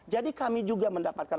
jadi kami juga mendapatkan